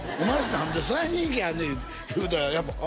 何でそない人気あんねんいうて言うたらやっぱあ